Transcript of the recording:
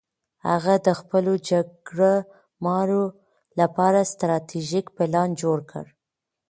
هغه د خپلو جګړه مارو لپاره ستراتیژیک پلان جوړ کړ.